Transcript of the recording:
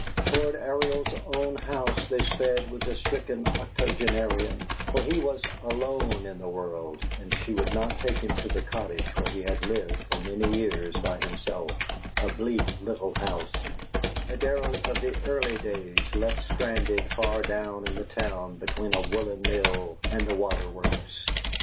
Toward Ariel's own house they sped with the stricken octogenarian, for he was "alone in the world," and she would not take him to the cottage where he had lived for many years by himself, a bleak little house, a derelict of the "early days" left stranded far down in the town between a woollen mill and the water works.